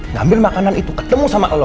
ngambil makanan itu ketemu sama allah